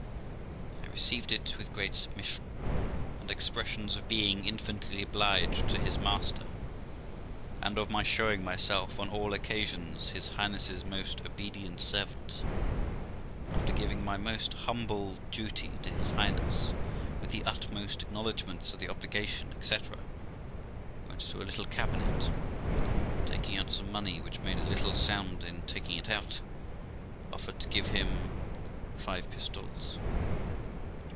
I received it with great submission, and expressions of being infinitely obliged to his master, and of my showing myself on all occasions his Highness's most obedient servant; and after giving my most humble duty to his Highness, with the utmost acknowledgments of the obligation, etc., I went to a little cabinet, and taking out some money, which made a little sound in taking it out, offered to give him five pistoles.